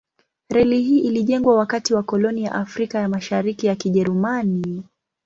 Reli hii ilijengwa wakati wa koloni ya Afrika ya Mashariki ya Kijerumani.